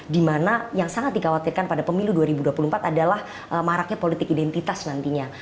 dimana yang sangat dikhawatirkan pada pemilu dua ribu dua puluh empat adalah maraknya politik identitas nantinya